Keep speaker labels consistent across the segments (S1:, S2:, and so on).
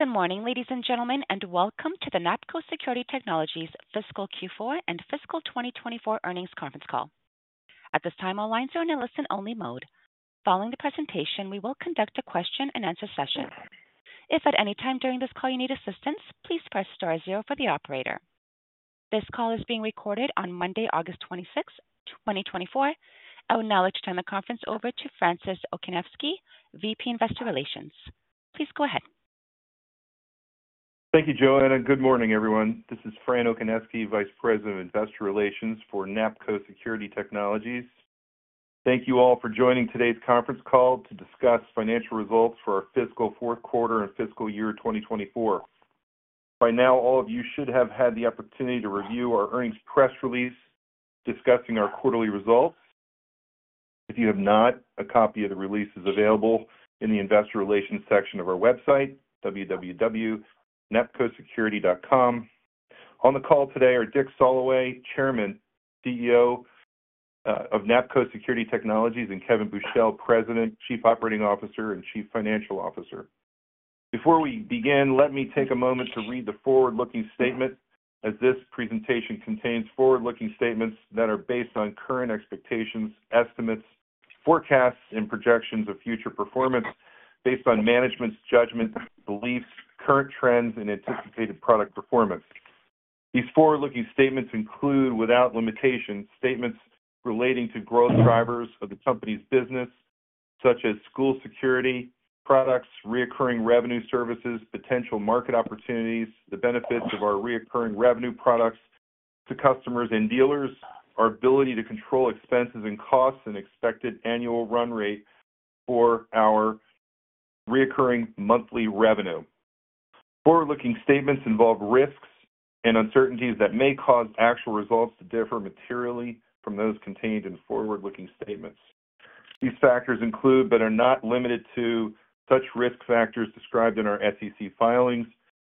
S1: Good morning, ladies and gentlemen, and welcome to the NAPCO Security Technologies Fiscal Q4 and Fiscal 2024 Earnings Conference Call. At this time, all lines are in a listen-only mode. Following the presentation, we will conduct a question-and-answer session. If at any time during this call you need assistance, please press star zero for the operator. This call is being recorded on Monday, August 26th, 2024. I would now like to turn the conference over to Francis Okoniewski, VP Investor Relations. Please go ahead.
S2: Thank you, Joanna. Good morning, everyone. This is Fran Okoniewski, Vice President of Investor Relations for NAPCO Security Technologies. Thank you all for joining today's conference call to discuss financial results for our fiscal fourth quarter and fiscal year 2024. By now, all of you should have had the opportunity to review our earnings press release discussing our quarterly results. If you have not, a copy of the release is available in the Investor Relations section of our website, www.napcosecurity.com. On the call today are Dick Soloway, Chairman, CEO, of NAPCO Security Technologies, and Kevin Buchel, President, Chief Operating Officer, and Chief Financial Officer. Before we begin, let me take a moment to read the forward-looking statement, as this presentation contains forward-looking statements that are based on current expectations, estimates, forecasts, and projections of future performance based on management's judgment, beliefs, current trends, and anticipated product performance. These forward-looking statements include, without limitation, statements relating to growth drivers of the company's business, such as school security products, recurring revenue services, potential market opportunities, the benefits of our recurring revenue products to customers and dealers, our ability to control expenses and costs, and expected annual run rate for our recurring monthly revenue. Forward-looking statements involve risks and uncertainties that may cause actual results to differ materially from those contained in forward-looking statements. These factors include, but are not limited to, such risk factors described in our SEC filings,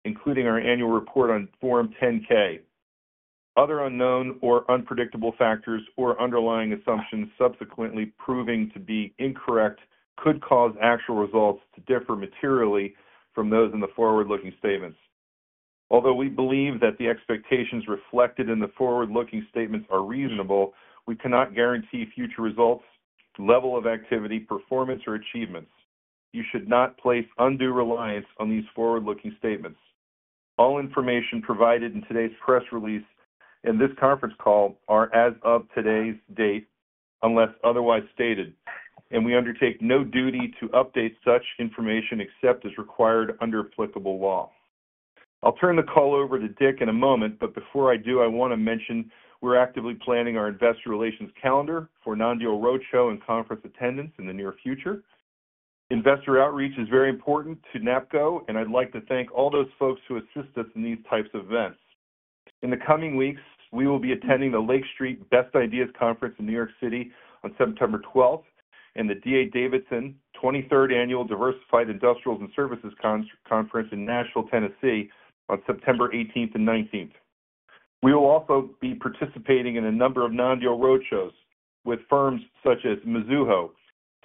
S2: including our annual report on Form 10-K. Other unknown or unpredictable factors or underlying assumptions subsequently proving to be incorrect could cause actual results to differ materially from those in the forward-looking statements. Although we believe that the expectations reflected in the forward-looking statements are reasonable, we cannot guarantee future results, level of activity, performance, or achievements. You should not place undue reliance on these forward-looking statements. All information provided in today's press release and this conference call are as of today's date, unless otherwise stated, and we undertake no duty to update such information except as required under applicable law. I'll turn the call over to Dick in a moment, but before I do, I want to mention we're actively planning our investor relations calendar for non-deal roadshow and conference attendance in the near future. Investor outreach is very important to NAPCO, and I'd like to thank all those folks who assist us in these types of events. In the coming weeks, we will be attending the Lake Street Best Ideas Conference in New York City on September twelfth, and the D.A. Davidson 23rd Annual Diversified Industrials and Services Conference in Nashville, Tennessee, on September eighteenth and nineteenth. We will also be participating in a number of non-deal roadshows with firms such as Mizuho,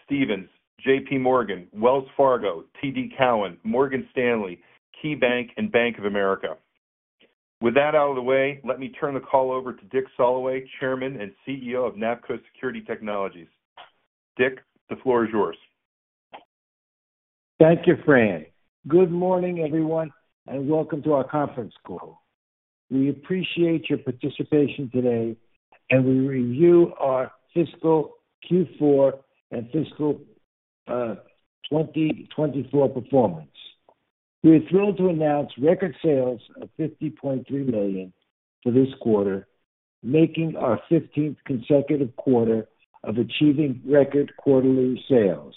S2: Stephens, J.P. Morgan, Wells Fargo, TD Cowen, Morgan Stanley, KeyBanc, and Bank of America. With that out of the way, let me turn the call over to Dick Soloway, Chairman and CEO of NAPCO Security Technologies. Dick, the floor is yours.
S3: Thank you, Fran. Good morning, everyone, and welcome to our conference call. We appreciate your participation today, and we review our fiscal Q4 and fiscal 2024 performance. We are thrilled to announce record sales of $50.3 million for this quarter, making our 15th consecutive quarter of achieving record quarterly sales.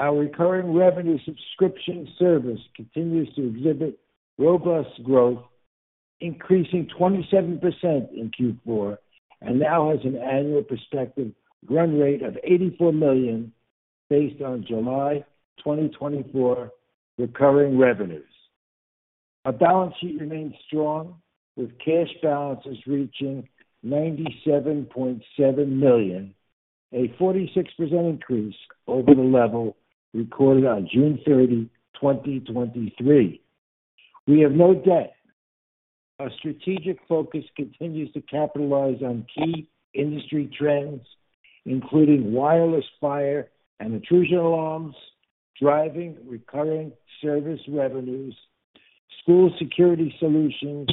S3: Our recurring revenue subscription service continues to exhibit robust growth, increasing 27% in Q4, and now has an annual prospective run rate of $84 million based on July 2024 recurring revenues. Our balance sheet remains strong, with cash balances reaching $97.7 million, a 46% increase over the level recorded on June 30, 2023. We have no debt. Our strategic focus continues to capitalize on key industry trends, including wireless fire and intrusion alarms, driving recurring service revenues, school security solutions,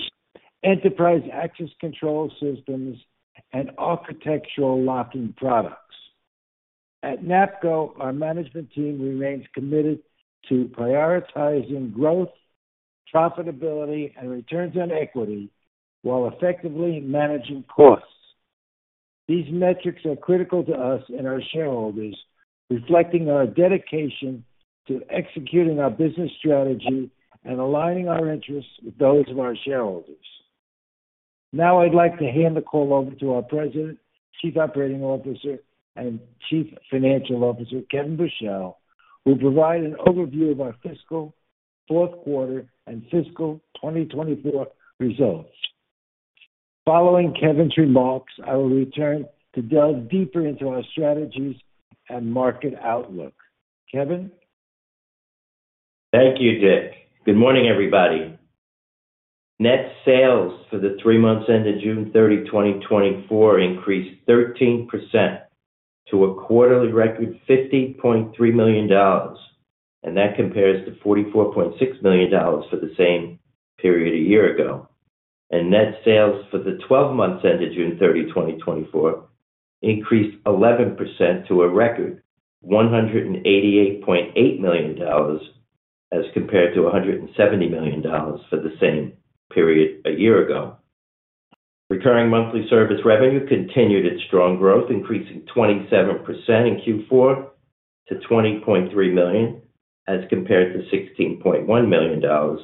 S3: enterprise access control systems, and architectural locking products. At NAPCO, our management team remains committed to prioritizing growth, profitability, and returns on equity while effectively managing costs. These metrics are critical to us and our shareholders, reflecting our dedication to executing our business strategy and aligning our interests with those of our shareholders. Now I'd like to hand the call over to our President, Chief Operating Officer, and Chief Financial Officer, Kevin Buchel, who will provide an overview of our fiscal fourth quarter and fiscal 2024 results. Following Kevin's remarks, I will return to delve deeper into our strategies and market outlook. Kevin?
S4: Thank you, Dick. Good morning, everybody. Net sales for the three months ended June 30th, 2024, increased 13% to a quarterly record $50.3 million, and that compares to $44.6 million for the same period a year ago. And net sales for the twelve months ended June 30th, 2024, increased 11% to a record $188.8 million, as compared to $170 million for the same period a year ago. Recurring monthly service revenue continued its strong growth, increasing 27% in Q4-$20.3 million, as compared to $16.1 million for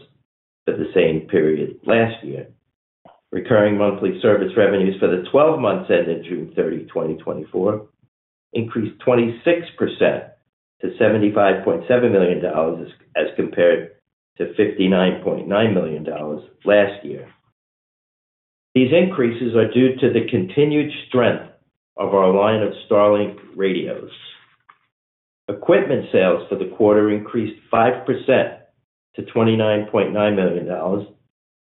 S4: the same period last year. Recurring monthly service revenues for the twelve months ended June 30th, 2024, increased 26% to $75.7 million, as compared to $59.9 million last year. These increases are due to the continued strength of our line of StarLink radios. Equipment sales for the quarter increased 5% to $29.9 million,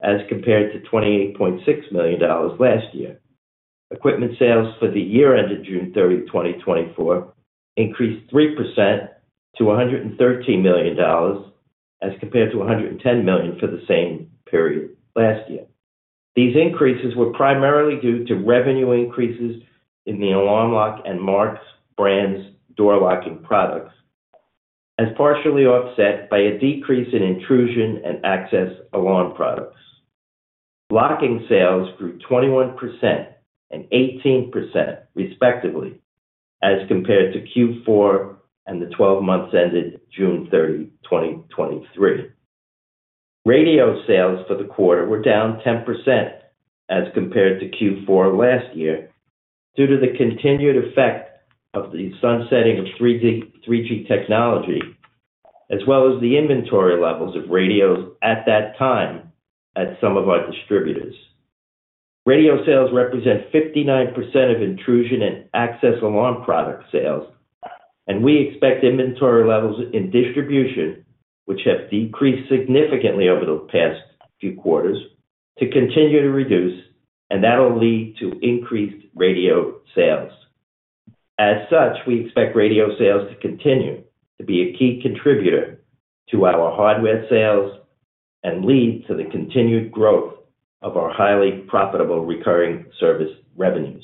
S4: as compared to $28.6 million last year. Equipment sales for the year ended June 30th, 2024, increased 3% to $113 million, as compared to $110 million for the same period last year. These increases were primarily due to revenue increases in the Alarm Lock and Marks brands door locking products, as partially offset by a decrease in intrusion and access alarm products. Locking sales grew 21% and 18% respectively, as compared to Q4 and the twelve months ended June 30, 2023. Radio sales for the quarter were down 10% as compared to Q4 last year, due to the continued effect of the sunsetting of 3G, 3G technology, as well as the inventory levels of radios at that time at some of our distributors. Radio sales represent 59% of intrusion and access alarm product sales, and we expect inventory levels in distribution, which have decreased significantly over the past few quarters, to continue to reduce, and that'll lead to increased radio sales. As such, we expect radio sales to continue to be a key contributor to our hardware sales and lead to the continued growth of our highly profitable recurring service revenues.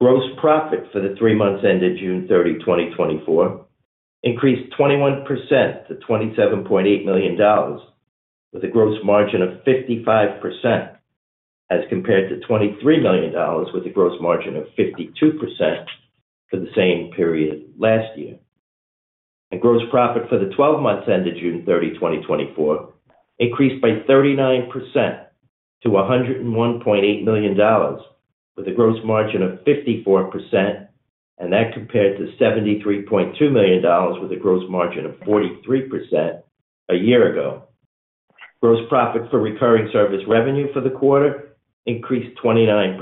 S4: Gross profit for the 3 months ended June 30th, 2024, increased 21% to $27.8 million, with a gross margin of 55%, as compared to $23 million, with a gross margin of 52% for the same period last year. Gross profit for the 12 months ended June 30th, 2024, increased by 39% to $101.8 million, with a gross margin of 54%, and that compared to $73.2 million, with a gross margin of 43% a year ago. Gross profit for recurring service revenue for the quarter increased 29%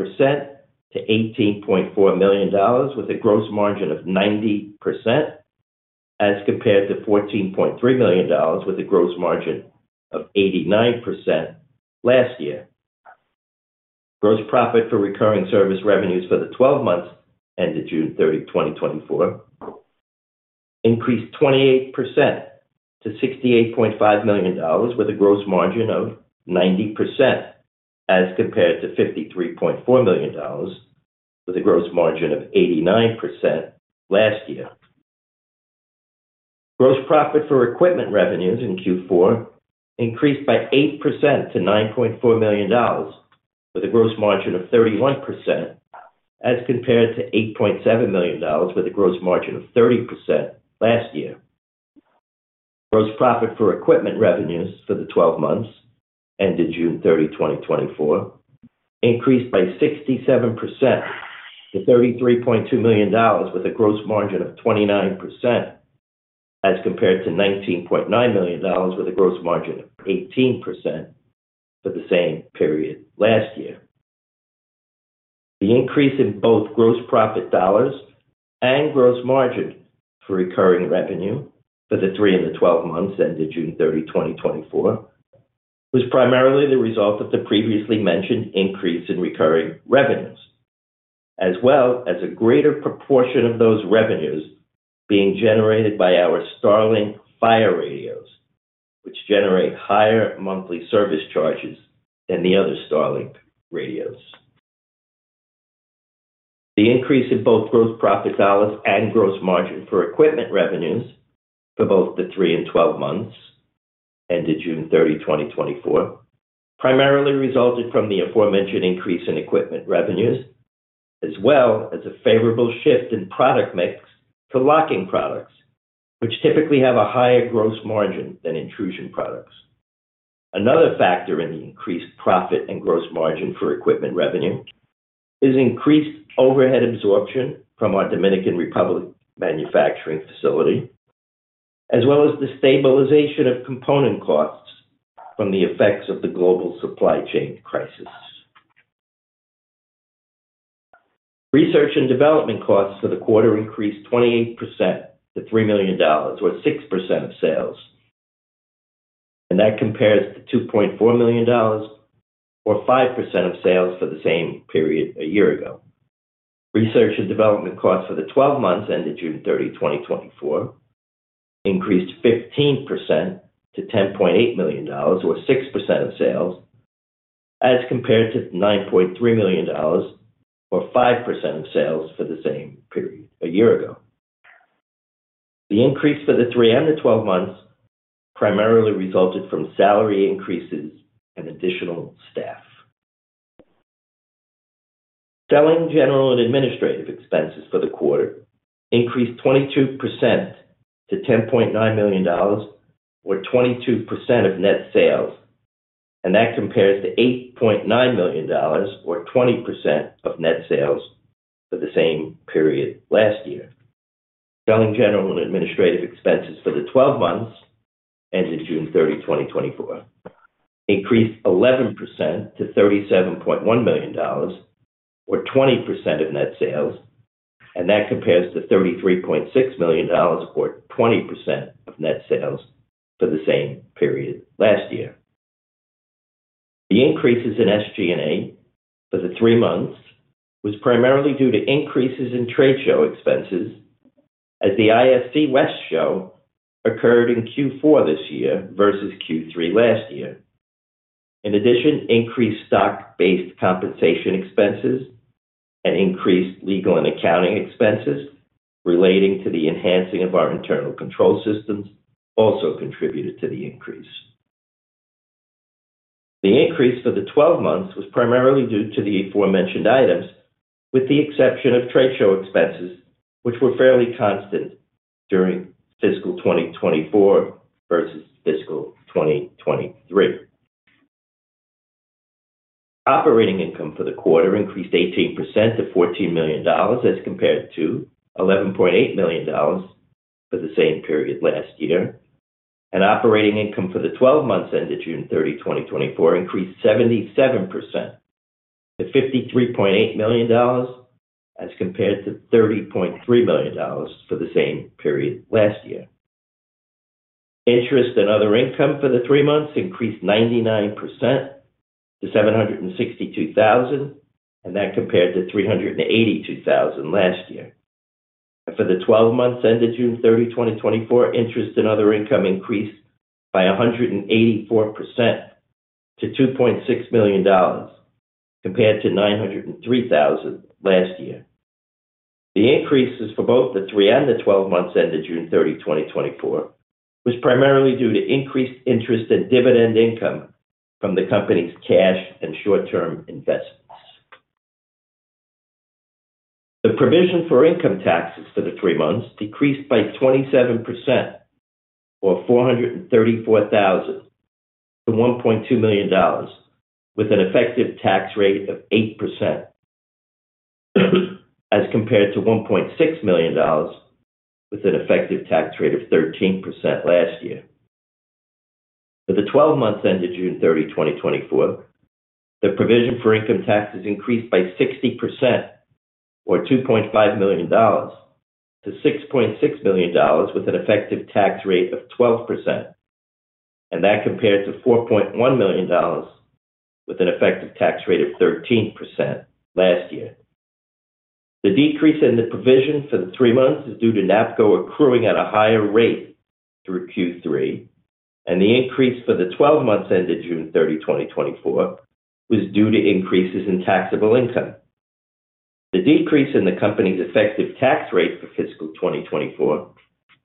S4: to $18.4 million, with a gross margin of 90%, as compared to $14.3 million, with a gross margin of 89% last year. Gross profit for recurring service revenues for the twelve months ended June 30, 2024, increased 28% to $68.5 million, with a gross margin of 90%, as compared to $53.4 million, with a gross margin of 89% last year. Gross profit for equipment revenues in Q4 increased by 8% to $9.4 million, with a gross margin of 31%, as compared to $8.7 million, with a gross margin of 30% last year. Gross profit for equipment revenues for the twelve months ended June 30th, 2024, increased by 67% to $33.2 million, with a gross margin of 29%, as compared to $19.9 million, with a gross margin of 18% for the same period last year. The increase in both gross profit dollars and gross margin for recurring revenue for the three and the twelve months ended June 30, 2024, was primarily the result of the previously mentioned increase in recurring revenues, as well as a greater proportion of those revenues being generated by our StarLink Fire radios, which generate higher monthly service charges than the other StarLink radios. The increase in both gross profit dollars and gross margin for equipment revenues for both the three and twelve months ended June 30, 2024, primarily resulted from the aforementioned increase in equipment revenues, as well as a favorable shift in product mix for locking products, which typically have a higher gross margin than intrusion products. Another factor in the increased profit and gross margin for equipment revenue is increased overhead absorption from our Dominican Republic manufacturing facility. as well as the stabilization of component costs from the effects of the global supply chain crisis. Research and development costs for the quarter increased 28% to $3 million, or 6% of sales, and that compares to $2.4 million, or 5% of sales, for the same period a year ago. Research and development costs for the twelve months ended June 30, 2024, increased 15% to $10.8 million, or 6% of sales, as compared to $9.3 million, or 5% of sales, for the same period a year ago. The increase for the three and the twelve months primarily resulted from salary increases and additional staff. Selling, general, and administrative expenses for the quarter increased 22% to $10.9 million, or 22% of net sales, and that compares to $8.9 million, or 20% of net sales, for the same period last year. Selling, general, and administrative expenses for the twelve months ended June 30th, 2024, increased 11% to $37.1 million, or 20% of net sales, and that compares to $33.6 million, or 20% of net sales, for the same period last year. The increases in SG&A for the three months was primarily due to increases in trade show expenses, as the ISC West Show occurred in Q4 this year versus Q3 last year. In addition, increased stock-based compensation expenses and increased legal and accounting expenses relating to the enhancing of our internal control systems also contributed to the increase. The increase for the twelve months was primarily due to the aforementioned items, with the exception of trade show expenses, which were fairly constant during fiscal 2024 versus fiscal 2023. Operating income for the quarter increased 18% to $14 million, as compared to $11.8 million for the same period last year, and operating income for the twelve months ended June 30, 2024, increased 77% to $53.8 million, as compared to $30.3 million for the same period last year. Interest and other income for the three months increased 99% to $762,000, and that compared to $382,000 last year. For the twelve months ended June thirty, 2024, interest and other income increased by 184% to $2.6 million, compared to $903,000 last year. The increases for both the three and the twelve months ended June thirty, 2024, was primarily due to increased interest in dividend income from the company's cash and short-term investments. The provision for income taxes for the three months decreased by 27%, or $434,000, to $1.2 million, with an effective tax rate of 8%, as compared to $1.6 million, with an effective tax rate of 13% last year. For the twelve months ended June thirty, 2024, the provision for income taxes increased by 60%, or $2.5 million, to $6.6 million, with an effective tax rate of 12%, and that compared to $4.1 million, with an effective tax rate of 13% last year. The decrease in the provision for the three months is due to NAPCO accruing at a higher rate through Q3, and the increase for the 12 months ended June thirty, 2024, was due to increases in taxable income. The decrease in the company's effective tax rate for fiscal 2024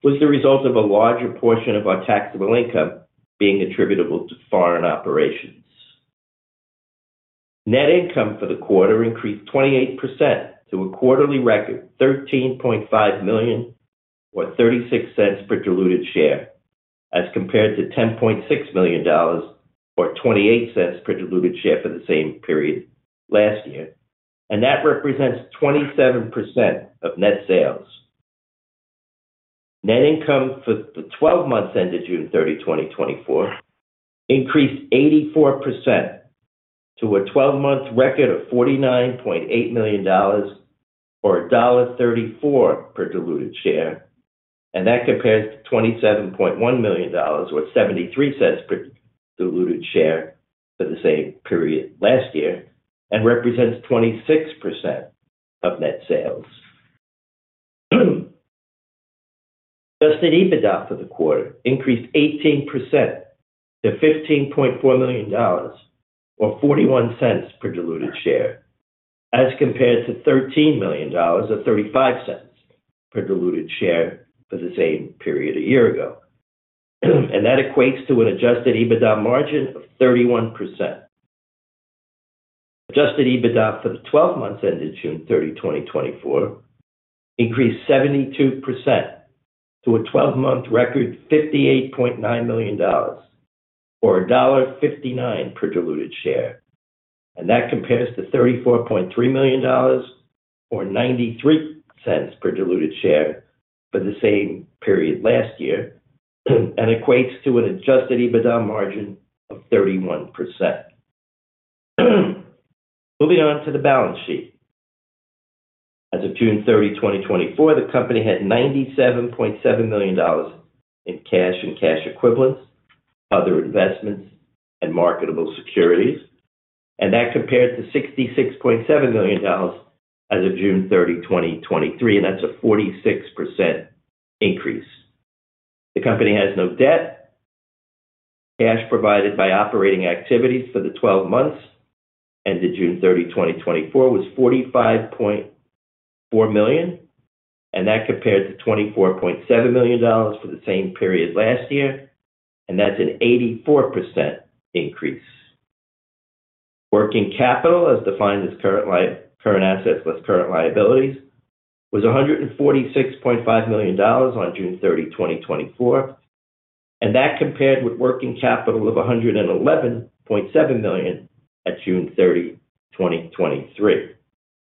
S4: was the result of a larger portion of our taxable income being attributable to foreign operations. Net income for the quarter increased 28% to a quarterly record $13.5 million, or $0.36 per diluted share, as compared to $10.6 million, or $0.28 per diluted share, for the same period last year. That represents 27% of net sales. Net income for the 12 months ended June 30th, 2024, increased 84% to a 12-month record of $49.8 million, or $1.34 per diluted share, and that compares to $27.1 million, or $0.73 per diluted share, for the same period last year, and represents 26% of net sales. Adjusted EBITDA for the quarter increased 18% to $15.4 million, or $0.41 per diluted share, as compared to $13 million or $0.35 per diluted share for the same period a year ago. That equates to an adjusted EBITDA margin of 31%. Adjusted EBITDA for the 12 months ended June 30, 2024, increased 72% to a 12-month record, $58.9 million or $1.59 per diluted share. That compares to $34.3 million or $0.93 per diluted share for the same period last year, and equates to an adjusted EBITDA margin of 31%. Moving on to the balance sheet. As of June 30, 2024, the company had $97.7 million in cash and cash equivalents, other investments, and marketable securities, and that compared to $66.7 million as of June 30, 2023, and that's a 46% increase. The company has no debt. Cash provided by operating activities for the 12 months ended June 30, 2024, was $45.4 million, and that compared to $24.7 million for the same period last year, and that's an 84% increase. Working capital, as defined as current assets plus current liabilities, was $146.5 million on June 30, 2024, and that compared with working capital of $111.7 million at June 30, 2023.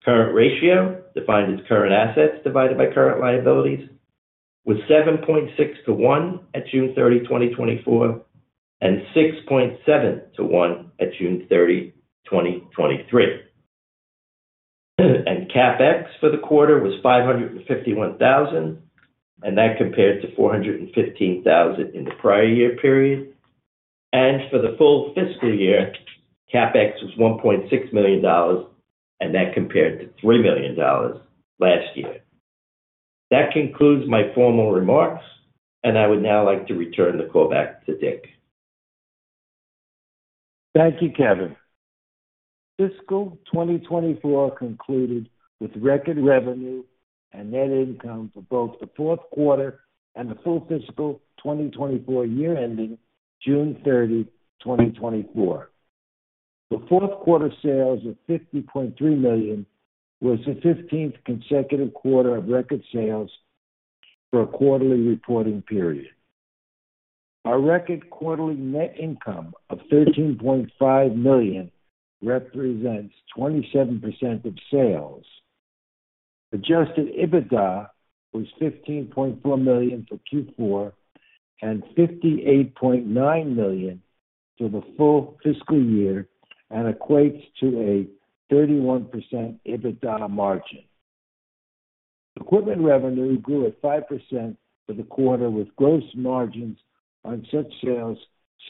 S4: Current ratio, defined as current assets divided by current liabilities, was 7.6 to 1 at June 30, 2024, and 6.7 to 1 at June 30, 2023. CapEx for the quarter was $551,000, and that compared to $415,000 in the prior year period. For the full fiscal year, CapEx was $1.6 million, and that compared to $3 million last year. That concludes my formal remarks, and I would now like to return the call back to Dick.
S3: Thank you, Kevin. Fiscal 2024 concluded with record revenue and net income for both the fourth quarter and the full fiscal 2024 year ending June 30, 2024. The fourth quarter sales of $50.3 million was the 15th consecutive quarter of record sales for a quarterly reporting period. Our record quarterly net income of $13.5 million represents 27% of sales. Adjusted EBITDA was $15.4 million for Q4 and $58.9 million for the full fiscal year, and equates to a 31% EBITDA margin. Equipment revenue grew at 5% for the quarter, with gross margins on such sales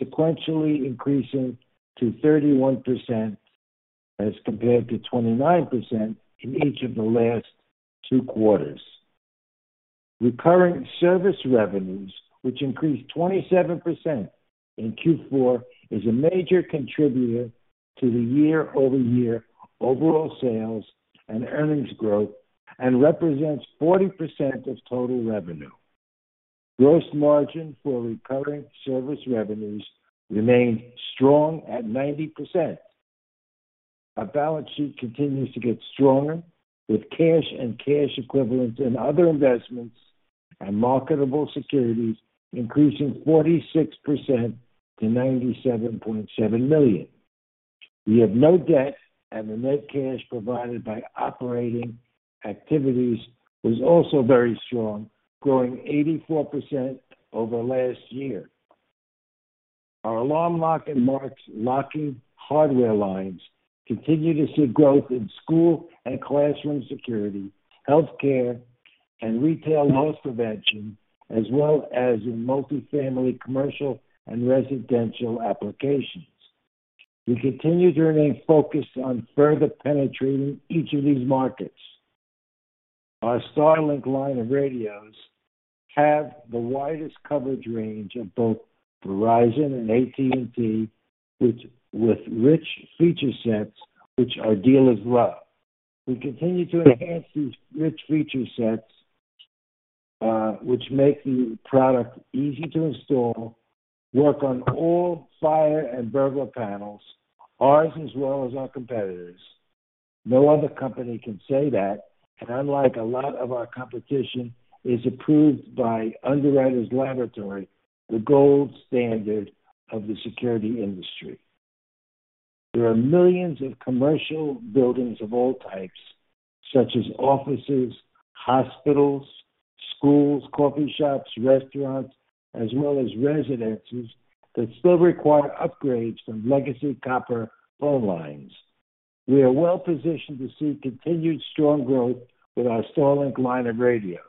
S3: sequentially increasing to 31% as compared to 29% in each of the last two quarters. Recurring service revenues, which increased 27% in Q4, is a major contributor to the year-over-year overall sales and earnings growth and represents 40% of total revenue. Gross margin for recurring service revenues remained strong at 90%. Our balance sheet continues to get stronger, with cash and cash equivalents in other investments and marketable securities increasing 46% to $97.7 million. We have no debt, and the net cash provided by operating activities was also very strong, growing 84% over last year. Our Alarm Lock and Marks locking hardware lines continue to see growth in school and classroom security, healthcare, and retail loss prevention, as well as in multifamily, commercial, and residential applications. We continue to remain focused on further penetrating each of these markets. Our StarLink line of radios have the widest coverage range of both Verizon and AT&T, which with rich feature sets, which our dealers love. We continue to enhance these rich feature sets, which make the product easy to install, work on all fire and burglar panels, ours as well as our competitors. No other company can say that, and unlike a lot of our competition, is approved by Underwriters Laboratories, the gold standard of the security industry. There are millions of commercial buildings of all types, such as offices, hospitals, schools, coffee shops, restaurants, as well as residences, that still require upgrades from legacy copper phone lines. We are well positioned to see continued strong growth with our StarLink line of radios.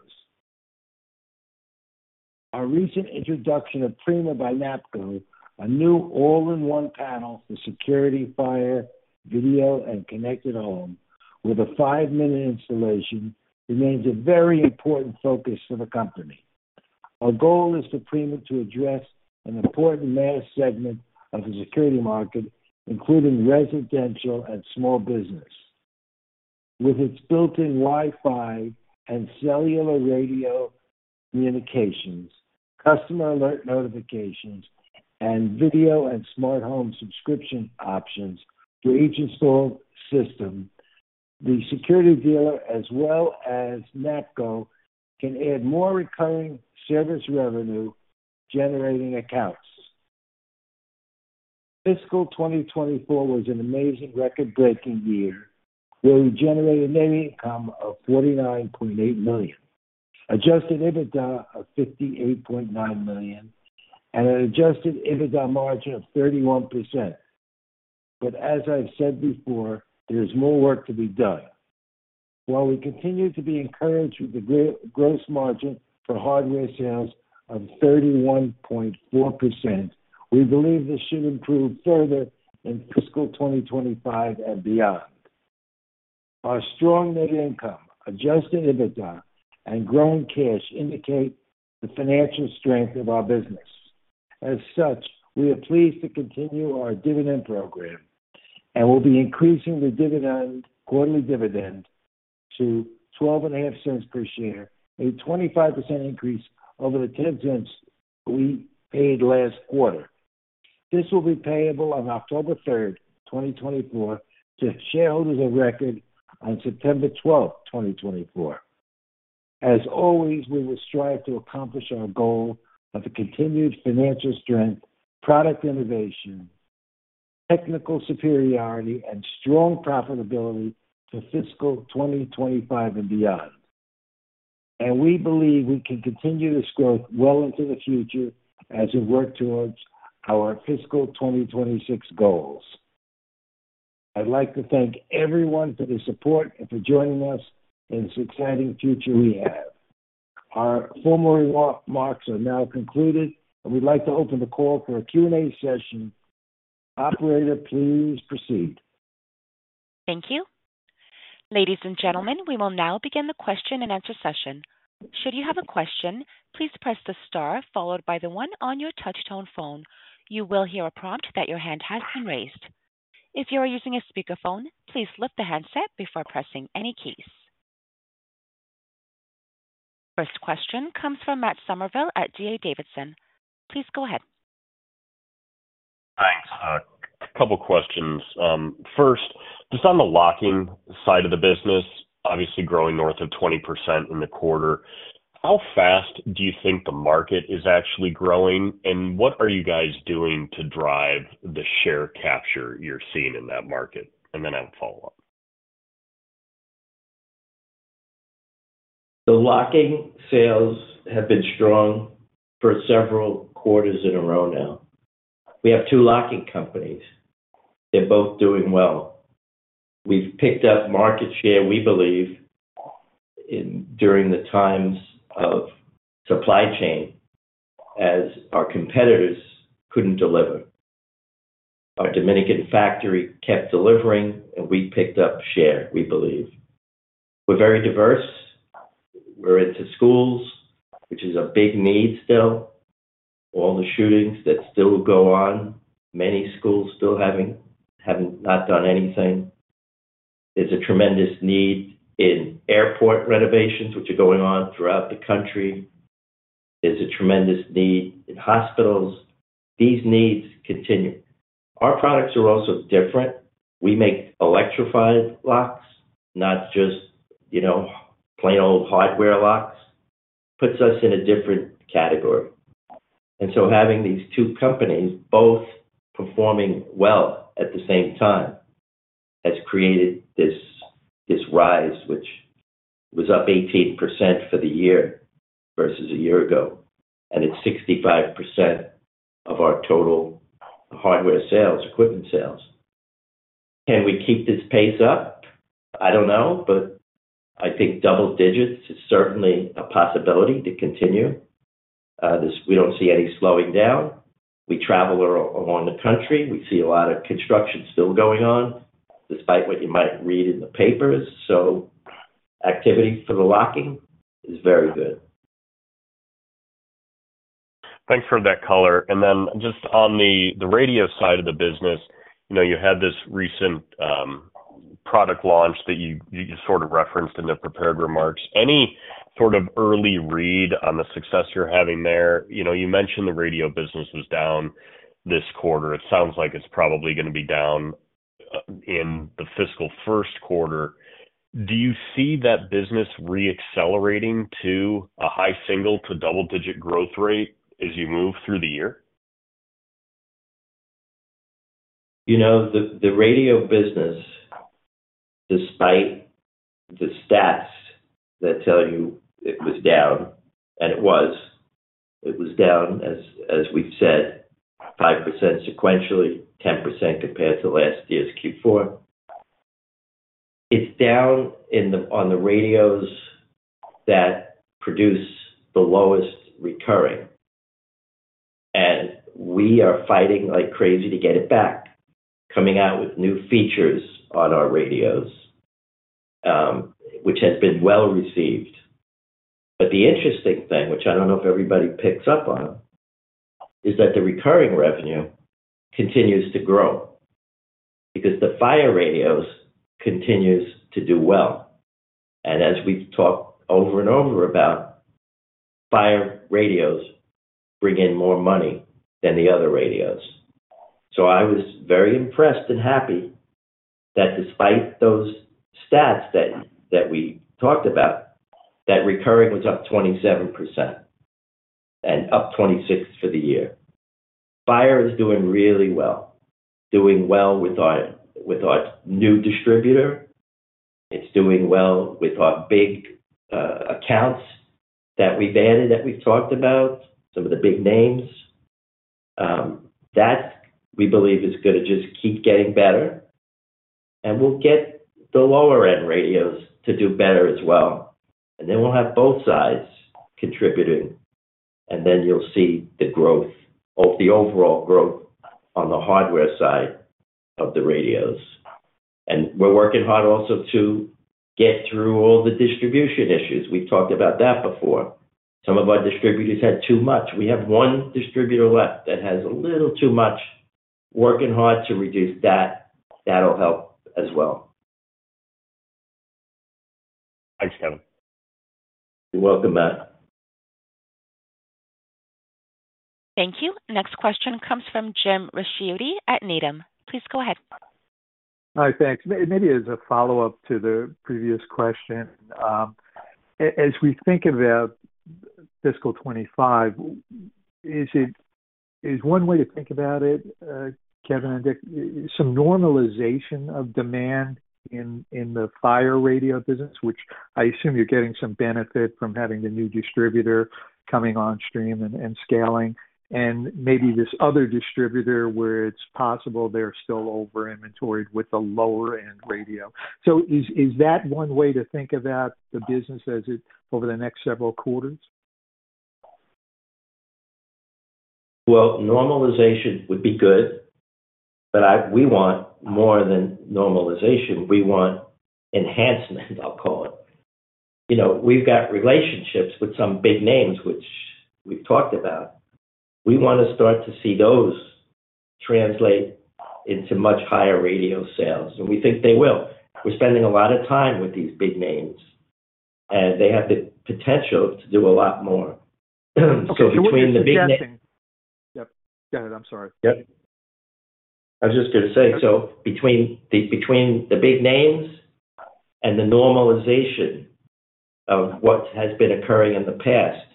S3: Our recent introduction of Prima by NAPCO, a new all-in-one panel for security, fire, video, and connected home with a five-minute installation, remains a very important focus for the company. Our goal is for Prima to address an important mass segment of the security market, including residential and small business. With its built-in Wi-Fi and cellular radio communications, customer alert notifications, and video and smart home subscription options for each installed system, The security dealer, as well as NAPCO, can add more recurring service revenue generating accounts. Fiscal 2024 was an amazing record-breaking year, where we generated net income of $49.8 million, adjusted EBITDA of $58.9 million, and an adjusted EBITDA margin of 31%. But as I've said before, there's more work to be done. While we continue to be encouraged with the gross margin for hardware sales of 31.4%, we believe this should improve further in fiscal 2025 and beyond. Our strong net income, adjusted EBITDA and growing cash indicate the financial strength of our business. As such, we are pleased to continue our dividend program, and we'll be increasing the dividend, quarterly dividend to $0.125 per share, a 25% increase over the $0.10 we paid last quarter. This will be payable on October third, 2024, to shareholders of record on September twelfth, 2024. As always, we will strive to accomplish our goal of a continued financial strength, product innovation, technical superiority, and strong profitability to fiscal 2025 and beyond, and we believe we can continue this growth well into the future as we work towards our fiscal 2026 goals. I'd like to thank everyone for their support and for joining us in this exciting future we have. Our formal remarks are now concluded, and we'd like to open the call for a Q&A session. Operator, please proceed.
S1: Thank you. Ladies and gentlemen, we will now begin the question-and-answer session. Should you have a question, please press the star followed by the one on your touchtone phone. You will hear a prompt that your hand has been raised. If you are using a speakerphone, please lift the handset before pressing any keys. First question comes from Matt Summerville at D.A. Davidson. Please go ahead.
S5: Thanks. Couple questions. First, just on the locking side of the business, obviously growing north of 20% in the quarter, how fast do you think the market is actually growing? And what are you guys doing to drive the share capture you're seeing in that market? And then I have a follow-up.
S4: The locking sales have been strong for several quarters in a row now. We have two locking companies. They're both doing well. We've picked up market share, we believe, during the times of supply chain, as our competitors couldn't deliver. Our Dominican factory kept delivering, and we picked up share, we believe. We're very diverse. We're into schools, which is a big need still. All the shootings that still go on, many schools still haven't done anything. There's a tremendous need in airport renovations, which are going on throughout the country. There's a tremendous need in hospitals. These needs continue. Our products are also different. We make electrified locks, not just, you know, plain old hardware locks. Puts us in a different category. Having these two companies, both performing well at the same time, has created this rise, which was up 18% for the year versus a year ago, and it's 65% of our total hardware sales, equipment sales. Can we keep this pace up? I don't know, but I think double digits is certainly a possibility to continue. We don't see any slowing down. We travel along the country. We see a lot of construction still going on, despite what you might read in the papers. Activity for the locking is very good.
S5: Thanks for that color. And then just on the radio side of the business, you know, you had this recent product launch that you sort of referenced in the prepared remarks. Any sort of early read on the success you're having there? You know, you mentioned the radio business was down this quarter. It sounds like it's probably going to be down in the fiscal first quarter. Do you see that business re-accelerating to a high single- to double-digit growth rate as you move through the year?
S4: You know, the radio business, despite the stats that tell you it was down, and it was down as we've said, 5% sequentially, 10% compared to last year's Q4. It's down in the radios that produce the lowest recurring, and we are fighting like crazy to get it back, coming out with new features on our radios, which has been well-received. But the interesting thing, which I don't know if everybody picks up on, is that the recurring revenue continues to grow because the fire radios continues to do well. And as we've talked over and over about, fire radios bring in more money than the other radios. So I was very impressed and happy that despite those stats that we talked about, that recurring was up 27% and up 26% for the year. Fire is doing really well. Doing well with our new distributor. It's doing well with our big accounts that we landed, that we've talked about, some of the big names. That we believe is gonna just keep getting better, and we'll get the lower-end radios to do better as well. And then we'll have both sides contributing, and then you'll see the growth of the overall growth on the hardware side of the radios. And we're working hard also to get through all the distribution issues. We've talked about that before. Some of our distributors had too much. We have one distributor left that has a little too much. Working hard to reduce that. That'll help as well.
S5: Thanks, Kevin.
S4: You're welcome, Matt.
S1: Thank you. Next question comes from Jim Ricchiuti at Needham. Please go ahead.
S6: Hi. Thanks. Maybe as a follow-up to the previous question. As we think about fiscal 25, is one way to think about it, Kevin and Dick, some normalization of demand in the fire radio business, which I assume you're getting some benefit from having the new distributor coming on stream and scaling, and maybe this other distributor, where it's possible they're still over-inventoried with the lower-end radio. So is that one way to think about the business as it... Over the next several quarters?
S4: Well, normalization would be good, but we want more than normalization. We want enhancement, I'll call it. You know, we've got relationships with some big names, which we've talked about. We want to start to see those translate into much higher radio sales, and we think they will. We're spending a lot of time with these big names, and they have the potential to do a lot more. So between the big name-
S6: Yep. Got it. I'm sorry.
S4: Yep. I was just gonna say, so between the big names and the normalization of what has been occurring in the past,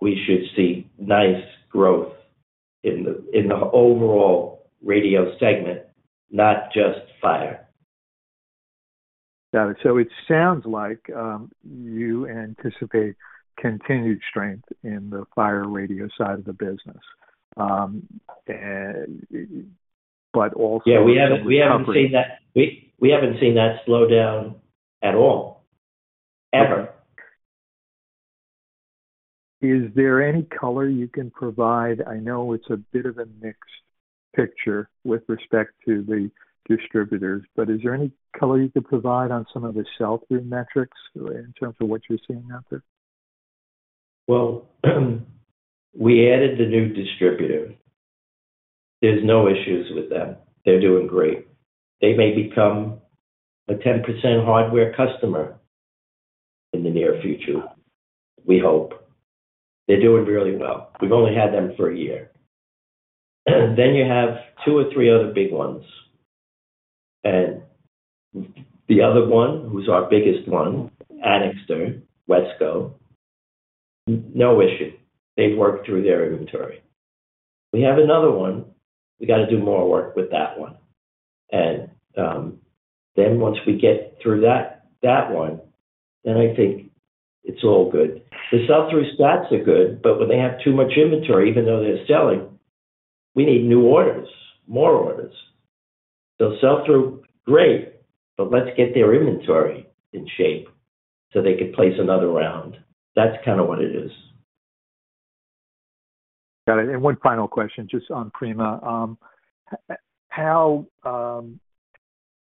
S4: we should see nice growth in the overall radio segment, not just fire.
S6: Got it. So it sounds like you anticipate continued strength in the fire radio side of the business, and also-
S4: Yeah, we haven't seen that. We haven't seen that slow down at all, ever.
S6: Is there any color you can provide? I know it's a bit of a mixed picture with respect to the distributors, but is there any color you could provide on some of the sell-through metrics in terms of what you're seeing out there?
S4: We added the new distributor. There's no issues with them. They're doing great. They may become a 10% hardware customer in the near future, we hope. They're doing really well. We've only had them for a year. Then you have two or three other big ones, and the other one, who's our biggest one, Anixter, Wesco, no issue. They've worked through their inventory. We have another one. We got to do more work with that one. And, then once we get through that, that one, then I think it's all good. The sell-through stats are good, but when they have too much inventory, even though they're selling, we need new orders, more orders. So sell-through, great, but let's get their inventory in shape so they can place another round. That's kind of what it is.
S6: Got it. And one final question, just on Prima.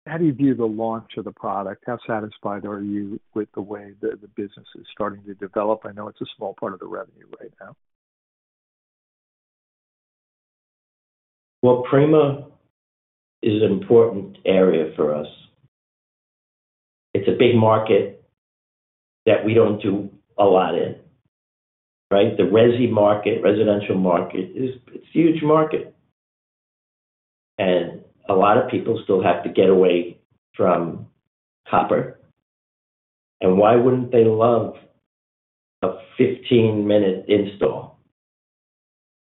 S6: How do you view the launch of the product? How satisfied are you with the way the business is starting to develop? I know it's a small part of the revenue right now.
S4: Prima is an important area for us. It's a big market that we don't do a lot in, right? The resi market, residential market. It's a huge market, and a lot of people still have to get away from copper. And why wouldn't they love a fifteen-minute install?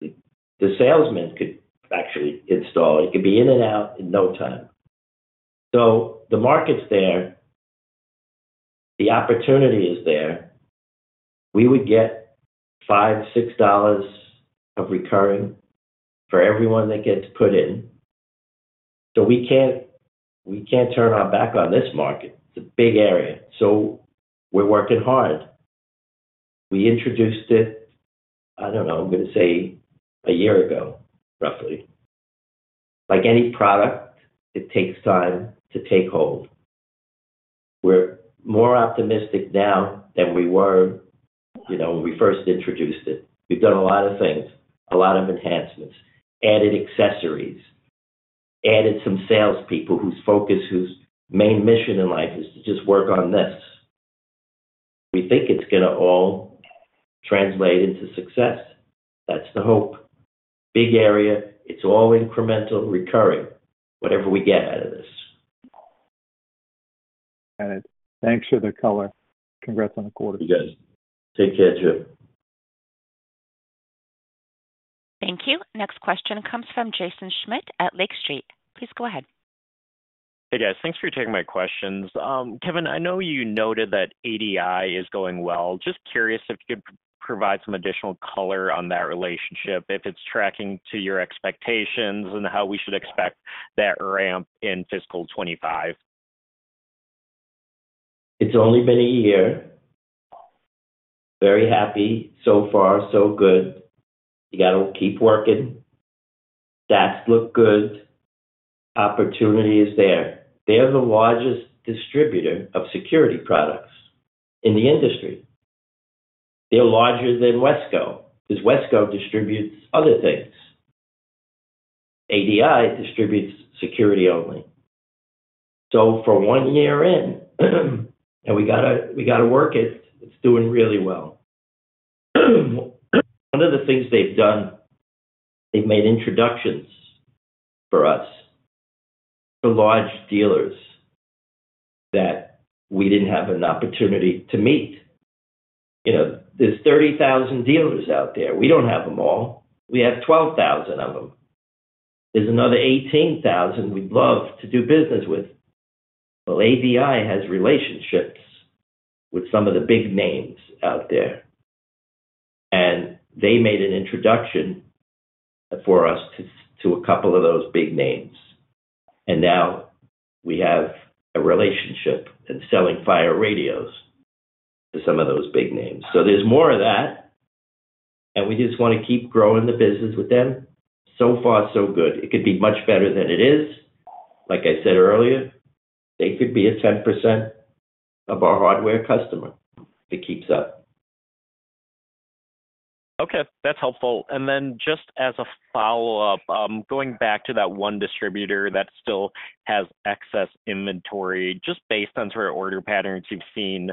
S4: The salesman could actually install it. It could be in and out in no time. So the market's there, the opportunity is there. We would get $5-$6 of recurring for everyone that gets put in, so we can't turn our back on this market. It's a big area, so we're working hard. We introduced it, I don't know, I'm gonna say a year ago, roughly. Like any product, it takes time to take hold. We're more optimistic now than we were, you know, when we first introduced it. We've done a lot of things, a lot of enhancements, added accessories, added some salespeople whose focus, whose main mission in life is to just work on this. We think it's gonna all translate into success. That's the hope. Big area. It's all incremental, recurring, whatever we get out of this.
S7: Got it. Thanks for the color. Congrats on the quarter.
S4: You guys. Take care, Joe.
S1: Thank you. Next question comes from Jaeson Schmidt at Lake Street. Please go ahead.
S8: Hey, guys. Thanks for taking my questions. Kevin, I know you noted that ADI is going well. Just curious if you could provide some additional color on that relationship, if it's tracking to your expectations and how we should expect that ramp in fiscal 25.
S4: It's only been a year. Very happy. So far, so good. You got to keep working. Stats look good. Opportunity is there. They are the largest distributor of security products in the industry. They're larger than WESCO, because WESCO distributes other things. ADI distributes security only. So for one year in, and we got to, we got to work it, it's doing really well. One of the things they've done, they've made introductions for us, for large dealers that we didn't have an opportunity to meet. You know, there's 30,000 dealers out there. We don't have them all. We have 12,000 of them. There's another 18,000 we'd love to do business with. ADI has relationships with some of the big names out there, and they made an introduction for us to a couple of those big names, and now we have a relationship and selling fire radios to some of those big names. There's more of that, and we just want to keep growing the business with them. Far, so good. It could be much better than it is. Like I said earlier, they could be 10% of our hardware customer. It keeps up.
S8: Okay, that's helpful. And then just as a follow-up, going back to that one distributor that still has excess inventory, just based on sort of order patterns you've seen,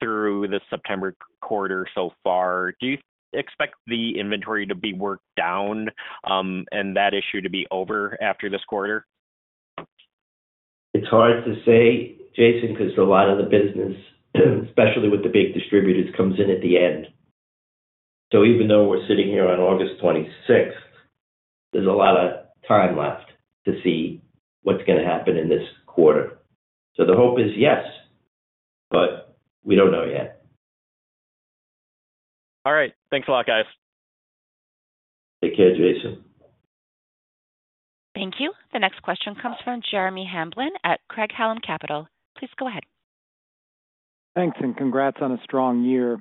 S8: through the September quarter so far, do you expect the inventory to be worked down, and that issue to be over after this quarter?
S4: It's hard to say, Jaeson, because a lot of the business, especially with the big distributors, comes in at the end. So even though we're sitting here on August 26th, there's a lot of time left to see what's going to happen in this quarter. So the hope is yes, but we don't know yet.
S8: All right. Thanks a lot, guys.
S4: Take care, Jaeson.
S1: Thank you. The next question comes from Jeremy Hamblin at Craig-Hallum Capital. Please go ahead.
S7: Thanks and congrats on a strong year.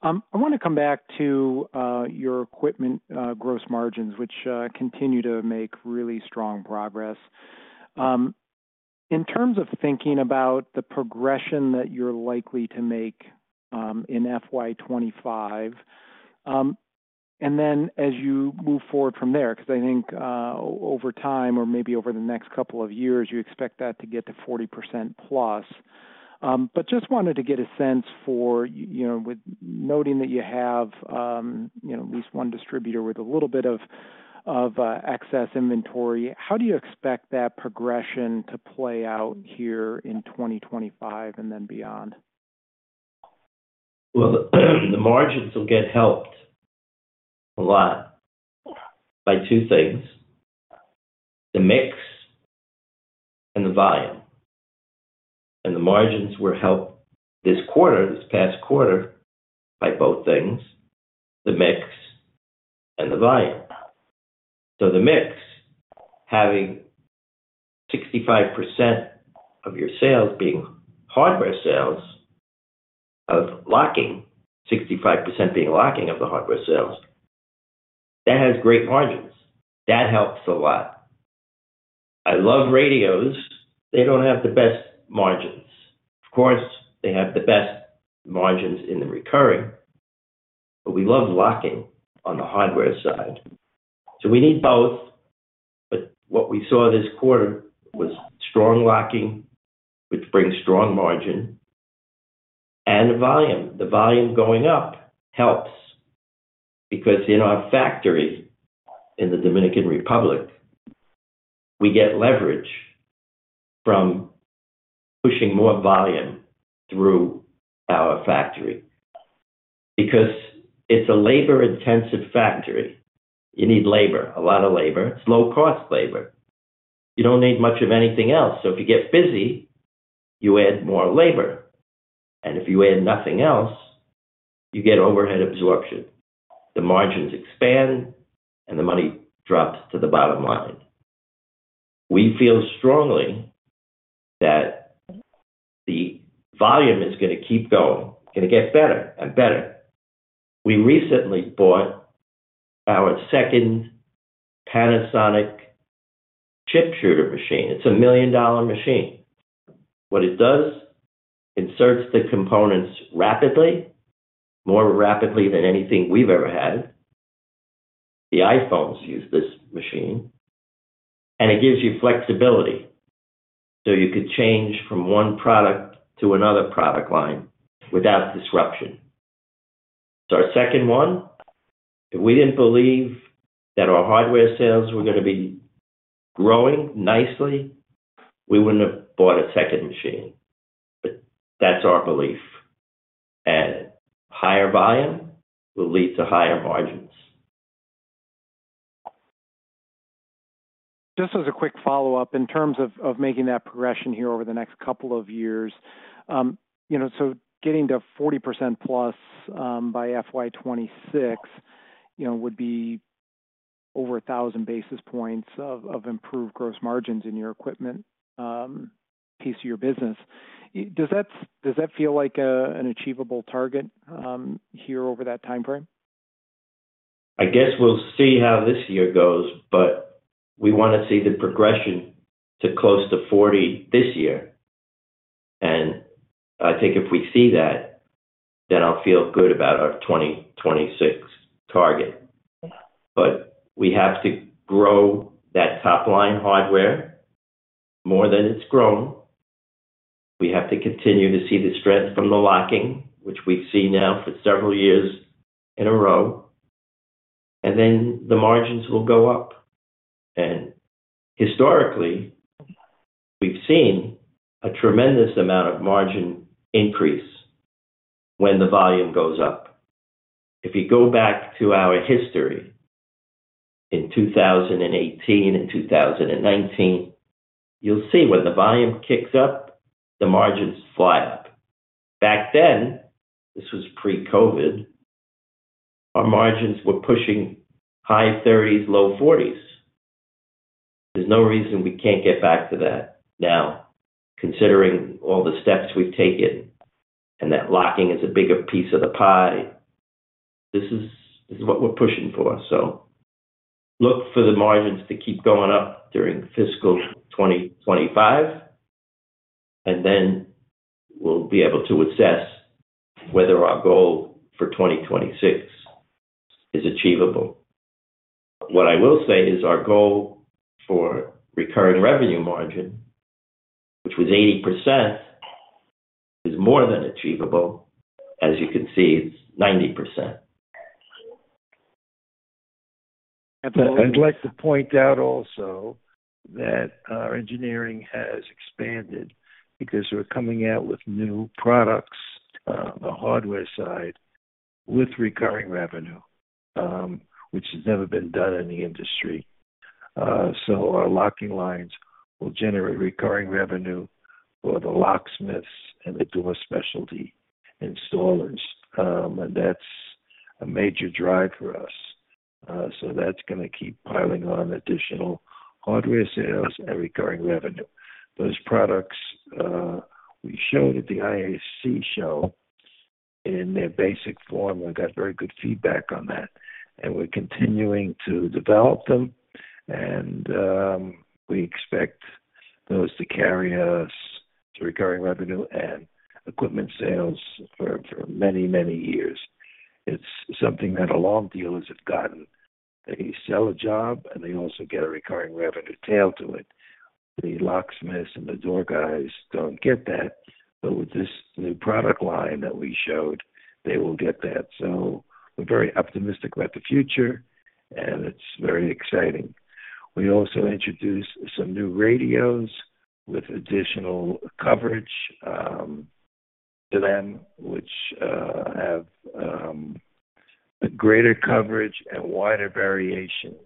S7: I want to come back to your equipment gross margins, which continue to make really strong progress. In terms of thinking about the progression that you're likely to make in FY 2025 and then as you move forward from there because I think over time or maybe over the next couple of years you expect that to get to 40% plus, but just wanted to get a sense for, you know, with noting that you have, you know, at least one distributor with a little bit of excess inventory, how do you expect that progression to play out here in 2025 and then beyond?
S4: The margins will get helped a lot by two things: the mix and the volume. The margins were helped this quarter, this past quarter, by both things, the mix and the volume. The mix, having 65% of your sales being hardware sales, of locking, 65% being locking of the hardware sales, that has great margins. That helps a lot. I love radios. They don't have the best margins. Of course, they have the best margins in the recurring, but we love locking on the hardware side, so we need both. What we saw this quarter was strong locking, which brings strong margin and volume. The volume going up helps because in our factory in the Dominican Republic, we get leverage from pushing more volume through our factory. Because it's a labor-intensive factory, you need labor, a lot of labor. It's low-cost labor. You don't need much of anything else. So if you get busy, you add more labor, and if you add nothing else, you get overhead absorption. The margins expand and the money drops to the bottom line. We feel strongly that the volume is going to keep going, going to get better and better. We recently bought our second Panasonic chip shooter machine. It's a $1 million machine. What it does, inserts the components rapidly, more rapidly than anything we've ever had. The iPhones use this machine, and it gives you flexibility, so you could change from one product to another product line without disruption. It's our second one. If we didn't believe that our hardware sales were going to be growing nicely, we wouldn't have bought a second machine. But that's our belief, and higher volume will lead to higher margins.
S7: Just as a quick follow-up, in terms of making that progression here over the next couple of years, you know, so getting to 40% plus, by FY 2026, you know, would be over a thousand basis points of improved gross margins in your equipment piece of your business. Does that feel like an achievable target here over that time frame?
S4: I guess we'll see how this year goes, but we want to see the progression to close to 40 this year. And I think if we see that, then I'll feel good about our 2026 target. But we have to grow that top line hardware more than it's grown. We have to continue to see the strength from the locking, which we've seen now for several years in a row, and then the margins will go up. And historically, we've seen a tremendous amount of margin increase when the volume goes up. If you go back to our history in 2018 and 2019, you'll see when the volume kicks up, the margins fly up. Back then, this was pre-COVID, our margins were pushing high thirties, low forties. There's no reason we can't get back to that now, considering all the steps we've taken and that locking is a bigger piece of the pie. This is, this is what we're pushing for. So look for the margins to keep going up during fiscal 2025, and then we'll be able to assess whether our goal for 2026 is achievable. What I will say is our goal for recurring revenue margin, which was 80%, is more than achievable. As you can see, it's 90%.
S3: I'd like to point out also that our engineering has expanded because we're coming out with new products on the hardware side with recurring revenue, which has never been done in the industry. So our locking lines will generate recurring revenue for the locksmiths and the door specialty installers. And that's a major drive for us. So that's going to keep piling on additional hardware sales and recurring revenue. Those products, we showed at the ISC show in their basic form, and got very good feedback on that, and we're continuing to develop them. And, we expect those to carry us to recurring revenue and equipment sales for many, many years. It's something that alarm dealers have gotten. They sell a job, and they also get a recurring revenue tail to it. The locksmiths and the door guys don't get that, but with this new product line that we showed, they will get that. So we're very optimistic about the future, and it's very exciting. We also introduced some new radios with additional coverage to them, which have greater coverage and wider variations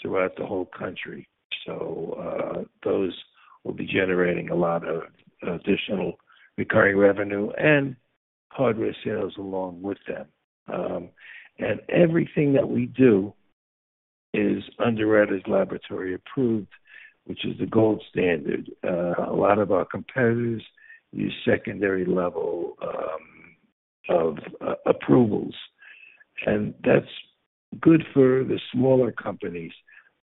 S3: throughout the whole country. So those will be generating a lot of additional recurring revenue and hardware sales along with them. And everything that we do is Underwriters Laboratories approved, which is the gold standard. A lot of our competitors use secondary level of approvals, and that's good for the smaller companies,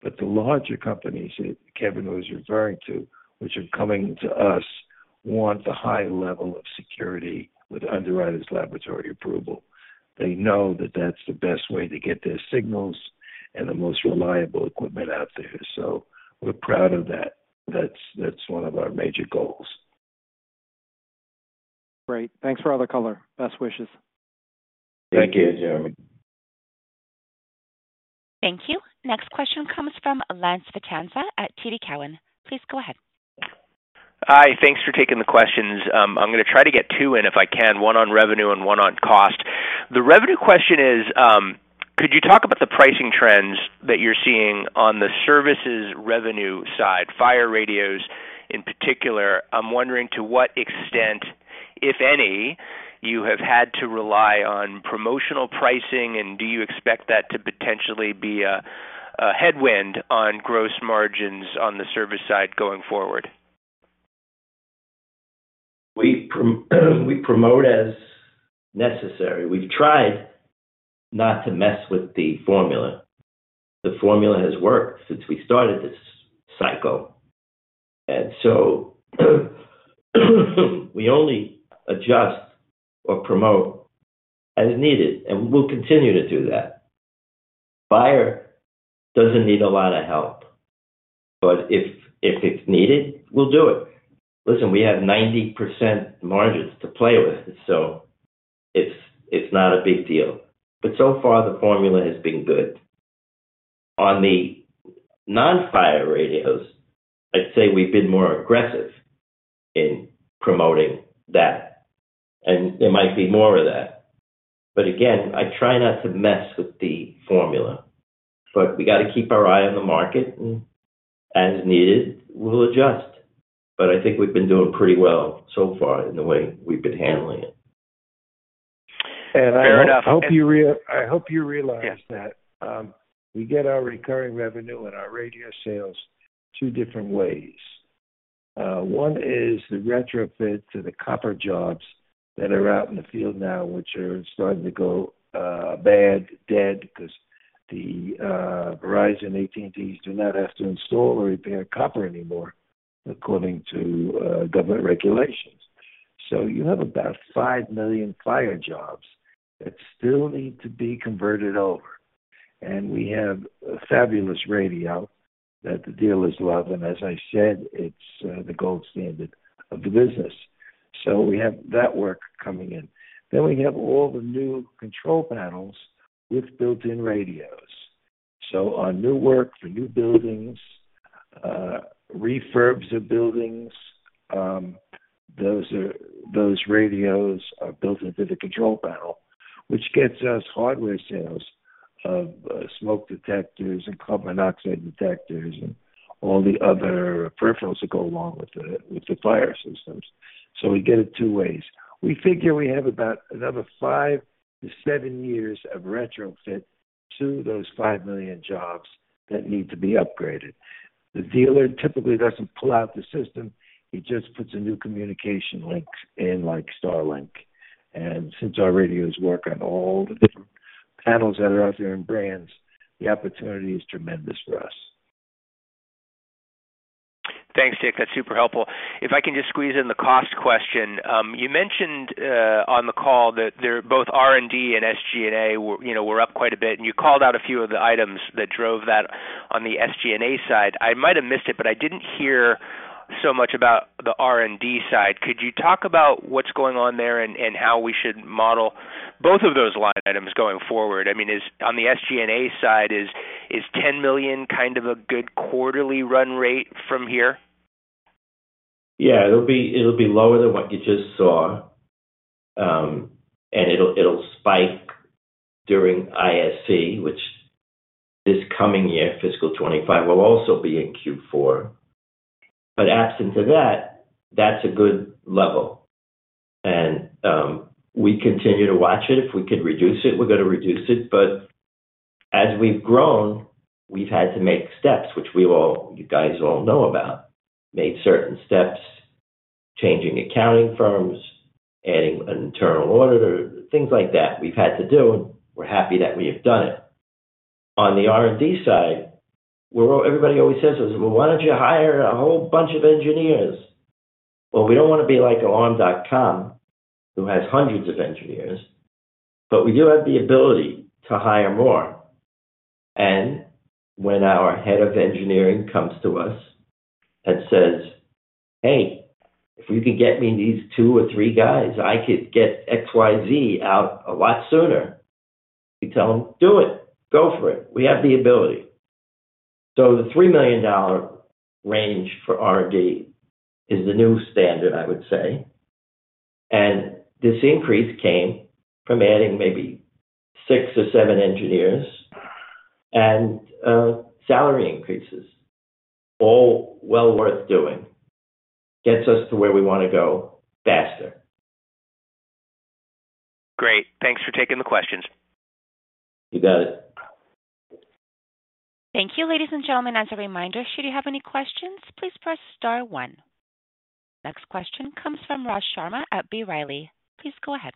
S3: but the larger companies that Kevin was referring to, which are coming to us, want the high level of security with Underwriters Laboratories approval. They know that that's the best way to get their signals and the most reliable equipment out there. So we're proud of that. That's, that's one of our major goals.
S7: Great. Thanks for all the color. Best wishes.
S4: Thank you, Jeremy.
S1: Thank you. Next question comes from Lance Vitanza at TD Cowen. Please go ahead.
S9: Hi. Thanks for taking the questions. I'm going to try to get two in if I can, one on revenue and one on cost. The revenue question is, could you talk about the pricing trends that you're seeing on the services revenue side, fire radios in particular? I'm wondering to what extent, if any, you have had to rely on promotional pricing, and do you expect that to potentially be a headwind on gross margins on the service side going forward?
S4: We promote as necessary. We've tried not to mess with the formula. The formula has worked since we started this cycle, and so, we only adjust or promote as needed, and we'll continue to do that. Fire doesn't need a lot of help, but if it's needed, we'll do it. Listen, we have 90% margins to play with, so it's not a big deal, but so far the formula has been good. On the non-fire radios, I'd say we've been more aggressive in promoting that, and there might be more of that, but again, I try not to mess with the formula, but we got to keep our eye on the market, and as needed, we'll adjust, but I think we've been doing pretty well so far in the way we've been handling it.
S3: I hope you realize- Yes. That we get our recurring revenue and our radio sales two different ways. One is the retrofit to the copper jobs that are out in the field now, which are starting to go bad, dead, because the Verizon, AT&Ts do not have to install or repair copper anymore, according to government regulations. So you have about five million fire jobs that still need to be converted over, and we have a fabulous radio that the dealers love, and as I said, it's the gold standard of the business. So we have that work coming in. Then we have all the new control panels with built-in radios. So on new work, for new buildings, refurbs of buildings, those radios are built into the control panel, which gets us hardware sales of smoke detectors and carbon monoxide detectors and all the other peripherals that go along with the fire systems. So we get it two ways. We figure we have about another five to seven years of retrofit to those five million jobs that need to be upgraded. The dealer typically doesn't pull out the system. He just puts a new communication link in, like StarLink. And since our radios work on all the different panels that are out there in brands, the opportunity is tremendous for us.
S9: Thanks, Dick. That's super helpful. If I can just squeeze in the cost question. You mentioned on the call that both R&D and SG&A were, you know, up quite a bit, and you called out a few of the items that drove that on the SG&A side. I might have missed it, but I didn't hear so much about the R&D side. Could you talk about what's going on there and how we should model both of those line items going forward? I mean, on the SG&A side, is $10 million kind of a good quarterly run rate from here?
S4: Yeah, it'll be lower than what you just saw, and it'll spike during ISC, which this coming year, fiscal 25, will also be in Q4. But absent to that, that's a good level. And we continue to watch it. If we could reduce it, we're gonna reduce it, but as we've grown, we've had to make steps, which we all, you guys all know about. Made certain steps, changing accounting firms, adding an internal auditor, things like that we've had to do, and we're happy that we have done it. On the R&D side, where everybody always says to us, "Well, why don't you hire a whole bunch of engineers?" Well, we don't want to be like Alarm.com, who has hundreds of engineers, but we do have the ability to hire more. And when our head of engineering comes to us and says, "Hey, if you could get me these two or three guys, I could get XYZ out a lot sooner." We tell them, "Do it. Go for it." We have the ability. So the $3 million range for R&D is the new standard, I would say. And this increase came from adding maybe six or seven engineers and salary increases. All well worth doing. Gets us to where we want to go faster.
S9: Great. Thanks for taking the questions.
S4: You got it.
S1: Thank you, ladies and gentlemen. As a reminder, should you have any questions, please press star one. Next question comes from Raj Sharma at B. Riley. Please go ahead.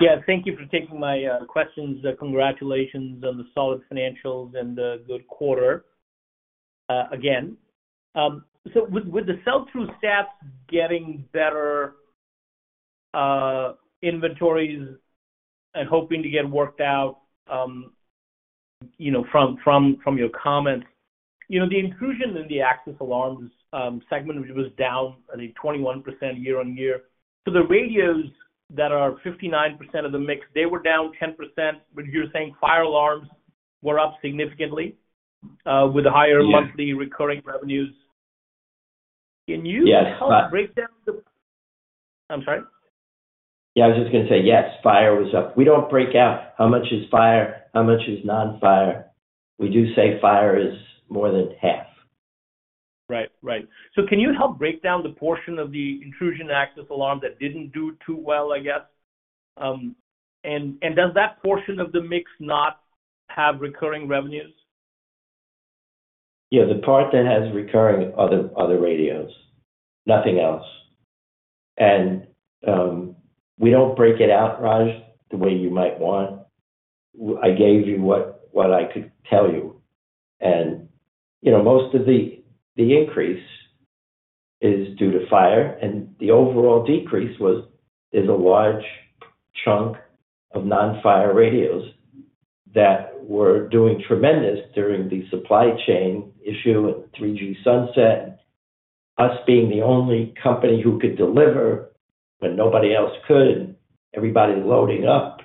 S10: Yeah, thank you for taking my questions. Congratulations on the solid financials and the good quarter, again. So with the sell-through stats getting better, inventories and hoping to get worked out, you know, from your comments, you know, the intrusion and access alarms segment, which was down, I think, 21% year on year. So the radios that are 59% of the mix, they were down 10%, but you're saying fire alarms were up significantly.
S4: Yes.
S10: with higher monthly recurring revenues. Can you
S4: Yes.
S10: I'm sorry?
S4: Yeah, I was just gonna say, yes, fire was up. We don't break out how much is fire, how much is non-fire. We do say fire is more than half.
S10: Right. Right. So can you help break down the portion of the intrusion access alarm that didn't do too well, I guess? And does that portion of the mix not have recurring revenues?...
S4: Yeah, the part that has recurring are the radios, nothing else. And we don't break it out, Raj, the way you might want. I gave you what I could tell you. And, you know, most of the increase is due to fire, and the overall decrease was a large chunk of non-fire radios that were doing tremendous during the supply chain issue with 3G sunset. Us being the only company who could deliver when nobody else could, and everybody loading up,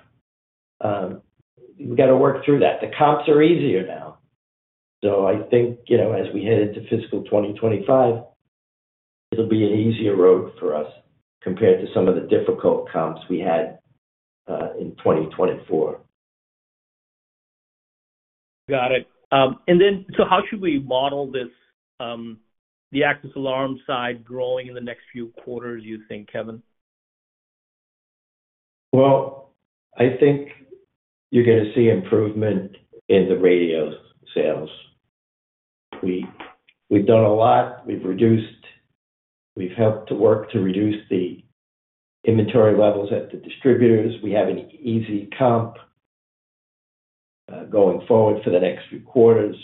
S4: we got to work through that. The comps are easier now. So I think, you know, as we head into fiscal 2025, it'll be an easier road for us compared to some of the difficult comps we had in 2024.
S10: Got it. And then, so how should we model this, the Alarm Lock side growing in the next few quarters, you think, Kevin?
S4: I think you're gonna see improvement in the radio sales. We've done a lot. We've helped to work to reduce the inventory levels at the distributors. We have an easy comp, going forward for the next few quarters.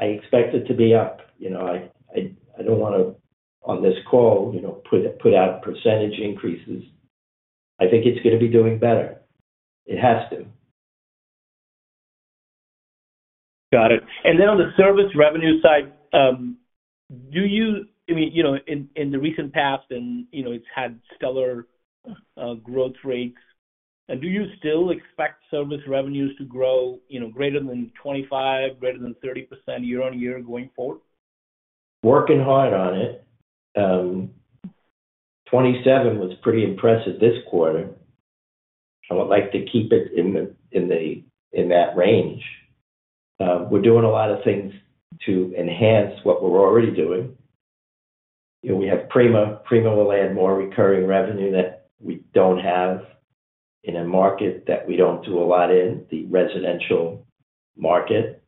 S4: I expect it to be up. You know, I don't want to, on this call, you know, put out percentage increases. I think it's gonna be doing better. It has to.
S10: Got it. And then on the service revenue side, do you... I mean, you know, in the recent past and, you know, it's had stellar growth rates. Do you still expect service revenues to grow, you know, greater than 25, greater than 30% year on year going forward?
S4: Working hard on it. 27 was pretty impressive this quarter. I would like to keep it in that range. We're doing a lot of things to enhance what we're already doing. And we have Prima. Prima will add more recurring revenue that we don't have in a market that we don't do a lot in, the residential market.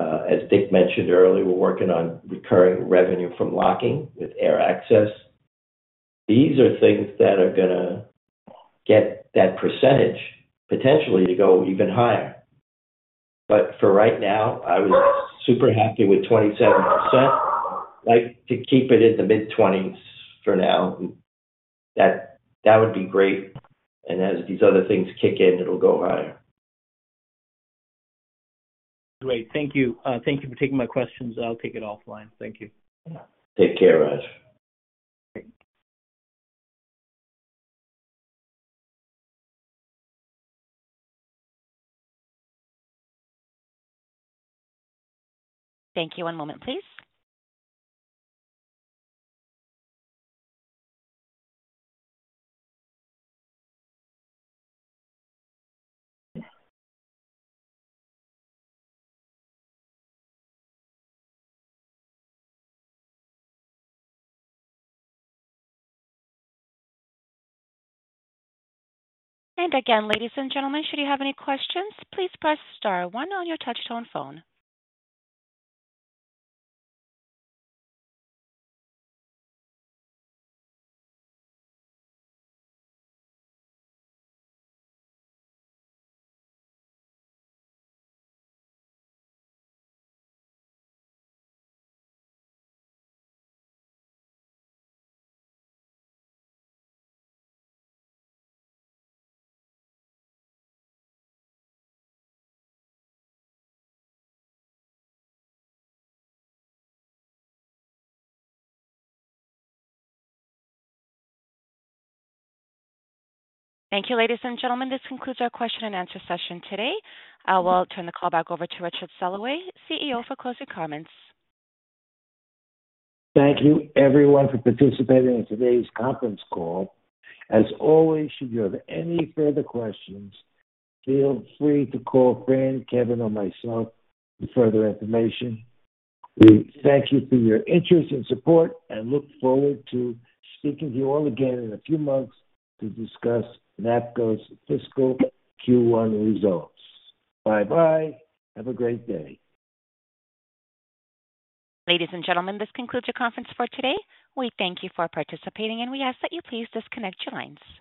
S4: As Dick mentioned earlier, we're working on recurring revenue from locking with AirAccess. These are things that are gonna get that percentage potentially to go even higher. But for right now, I was super happy with 27%. I'd like to keep it in the mid-20s for now. That would be great, and as these other things kick in, it'll go higher.
S10: Great. Thank you. Thank you for taking my questions. I'll take it offline. Thank you.
S4: Take care, Raj.
S10: Great.
S1: Thank you. One moment, please. And again, ladies and gentlemen, should you have any questions, please press star one on your touch tone phone. Thank you, ladies and gentlemen. This concludes our question and answer session today. I will turn the call back over to Richard Soloway, CEO, for closing comments.
S3: Thank you, everyone, for participating in today's conference call. As always, should you have any further questions, feel free to call Fran, Kevin, or myself for further information. We thank you for your interest and support, and look forward to speaking to you all again in a few months to discuss NAPCO's fiscal Q1 results. Bye-bye. Have a great day.
S1: Ladies and gentlemen, this concludes your conference for today. We thank you for participating, and we ask that you please disconnect your lines.